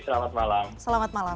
terima kasih selamat malam